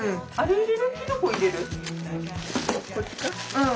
うん。